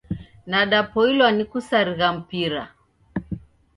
Nadapoilwa ni kusarigha mpira.